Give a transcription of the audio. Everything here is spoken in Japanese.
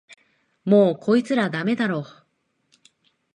もうこいつらダメだろ